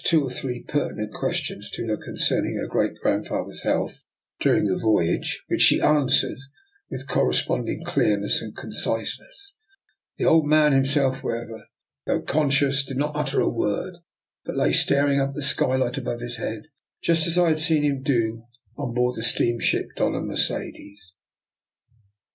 NIKOLA'S EXPERIMENT. or three pertinent questions to her concern ing her great grandfather's health during the voyage, which she answered with correspond ing clearness and conciseness. The old man himself, however, though conscious, did not utter a word, but lay staring up at the sky light above his head, just as I had seen him do on board the steamship Dofia Mercedes.